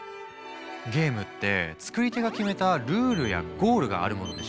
ゲームって作り手が決めたルールやゴールがあるものでしょ？